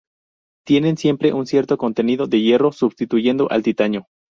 Tiene siempre un cierto contenido de hierro substituyendo al titanio.